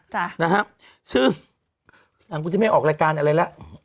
จ้ะนะฮะซึ่งหลังกูจะไม่ออกรายการอะไรแล้ว